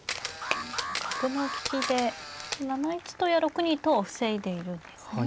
角の利きで７一とや６二とを防いでいるんですね。